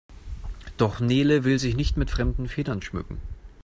Doch Nele will sich nicht mit fremden Federn schmücken.